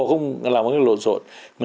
không làm một cái lộn xộn